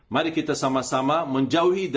mari kita sama sama menjaga kesehatan kita